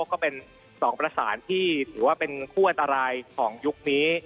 ก็เป็น๒ประสานที่ถือว่าเป็นคู่อันตรายของยุคนี้